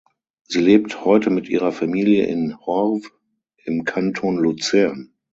Sie lebt heute mit ihrer Familie in Horw im Kanton Luzern.